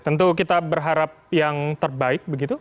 tentu kita berharap yang terbaik begitu